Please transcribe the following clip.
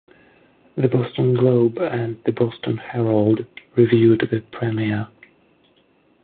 "The Boston Globe" and "The Boston Herald" reviewed the premiere.